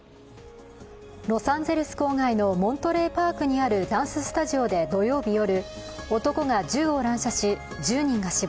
ロサンゼルス郊外のモントレーパークにあるダンススタジオで土曜日夜、男が銃を乱射し１０人が死亡、